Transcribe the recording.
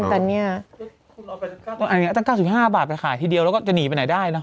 อันนี้๕อาทิตย์ขาย๙๕บาทจะขายทีเดียวแล้วก็จะหนีไปไหนได้เนอะ